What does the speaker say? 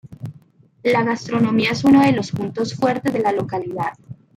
La gastronomía es uno de los puntos fuertes de la localidad.